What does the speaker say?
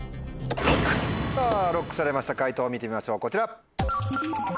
ＬＯＣＫされました解答見てみましょうこちら。